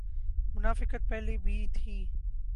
منافقت پہلے بھی تھی۔